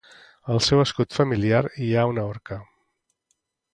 Al seu escut familiar hi ha una orca.